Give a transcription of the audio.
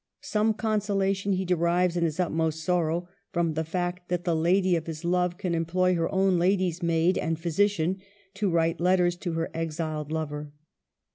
some consolation he de rives in his utmost sorrow from the fact that the lady of his love can employ her own lady's maid and physician to write letters to her exiled lover.